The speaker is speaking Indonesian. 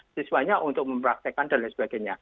siswanya untuk mempraktekan dan lain sebagainya